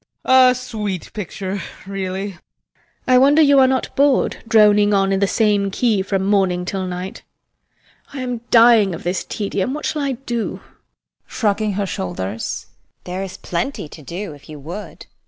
A sweet picture, really. HELENA. I wonder you are not bored, droning on in the same key from morning till night. [Despairingly] I am dying of this tedium. What shall I do? SONIA. [Shrugging her shoulders] There is plenty to do if you would.